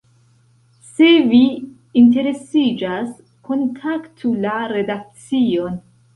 Se vi interesiĝas, kontaktu la redakcion!